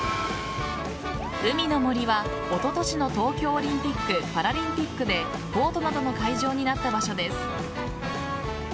海の森はおととしの東京オリンピック・パラリンピックでボートなどの会場になった場所です。